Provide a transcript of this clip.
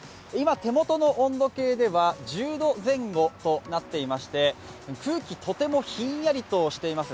今、手元の温度計では１０度前後となっていまして空気、とてもひんやりとしています